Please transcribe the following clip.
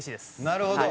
なるほど。